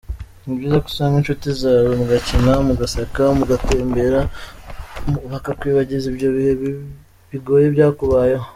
Ni byiza ko usanga inshuti zawe mugakina, mugaseka, mugatembera bakakwibagiza ibyo bihe bigoye byakubayeho.